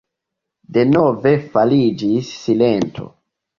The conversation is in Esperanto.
Denove fariĝis silento.